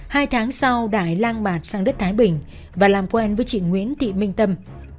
hai tháng sau đại lang mạt sang đất thái bình và làm quen với chị nguyễn thị minh tâm